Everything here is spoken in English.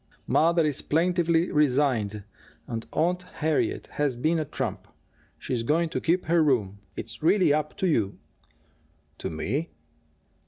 "Mother is plaintively resigned and Aunt Harriet has been a trump. She's going to keep her room. It's really up to you." "To me?"